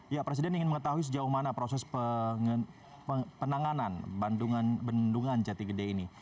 ya presiden ingin mengetahui sejauh mana proses penanganan bendungan jati gede ini